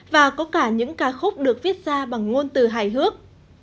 và có cả những ca khúc được viết ra bằng ngôn từ hài hước